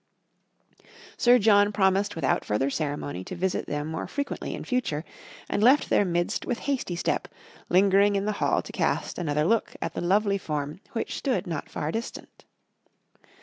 Sir John promised without further ceremony to visit them more frequently in future, and left their midst with hasty step, lingering in the hall to cast another look at the lovely form which stood not far distant.